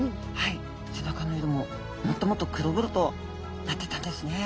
背中の色ももっともっと黒々となってったんですね。